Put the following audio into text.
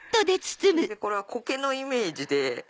これはコケのイメージで。